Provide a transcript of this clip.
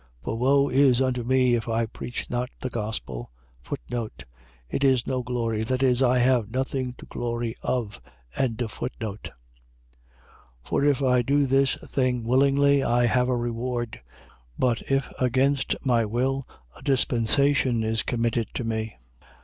For woe is unto me if I preach not the gospel. It is no glory. . .That is, I have nothing to glory of. 9:17. For if I do this thing willingly, I have a reward: but if against my will, a dispensation is committed to me.